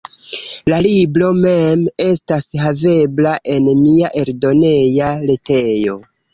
La libro mem estas havebla en mia eldoneja retejo.